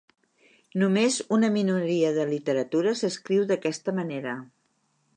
Només una minoria de literatura s'escriu d'aquesta manera.